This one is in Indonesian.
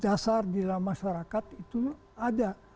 dasar di dalam masyarakat itu ada